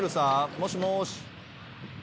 もしもし。